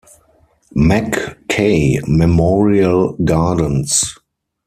McKay Memorial Gardens.